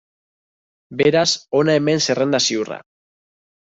Beraz, hona hemen zerrenda ziurra.